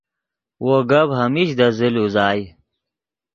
وو گپ ہمیش دے زل اوزائے